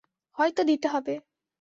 হয়তো দিতে হবে।